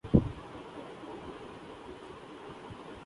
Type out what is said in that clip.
تو ضمانت ضبط ہو جاتی ہے۔